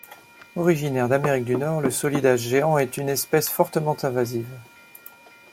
Originaire d'Amérique du Nord, le solidage géant est une espèce fortement invasive.